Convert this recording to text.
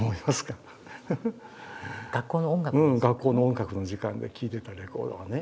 学校の音楽の時間で聴いてたレコードがね